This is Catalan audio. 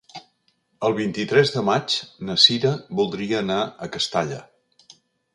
El vint-i-tres de maig na Cira voldria anar a Castalla.